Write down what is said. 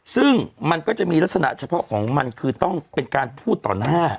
ซึ่งมันก็จะมีลักษณะเฉพาะของมันคือต้องเป็นการพูดต่อหน้า